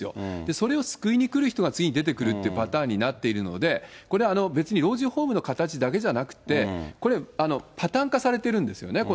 それを救いにくる人が次に出てくるっていうパターンになってるので、これは別に老人ホームの形だけじゃなくて、これ、パターン化されてるんですよね。